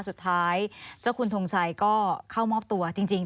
สุดท้ายเจ้าคุณทงชัยก็เข้ามอบตัวจริง